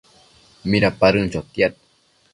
Midapadën chotiad